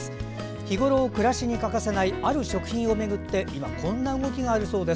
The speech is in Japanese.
日ごろ暮らしに欠かせないある食品を巡って今こんな動きがあるそうです。